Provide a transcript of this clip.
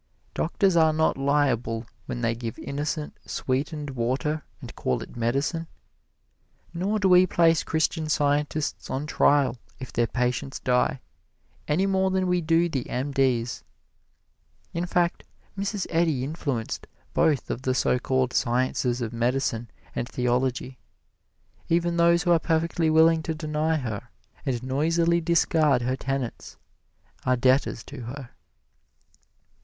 Doctors are not liable when they give innocent sweetened water and call it medicine, nor do we place Christian Scientists on trial if their patients die, any more than we do the M. D.'s. In fact, Mrs. Eddy influenced both of the so called sciences of medicine and theology. Even those who are perfectly willing to deny her, and noisily discard her tenets, are debtors to her.